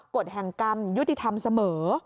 กฎแห่งกรรมยุติธรรมเสมอ